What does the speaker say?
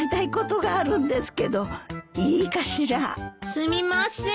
すみません。